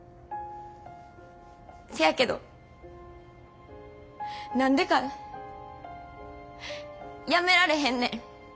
せやけど何でかやめられへんねん。